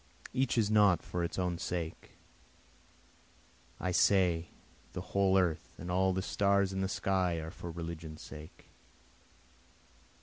Each is not for its own sake, I say the whole earth and all the stars in the sky are for religion's sake.